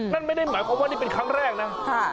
นั่นไม่ได้หมายความว่านี่เป็นครั้งแรกนะ